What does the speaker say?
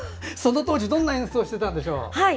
その当時どんな演奏をしていたんでしょうか。